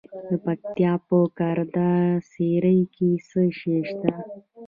د پکتیا په ګرده څیړۍ کې څه شی شته؟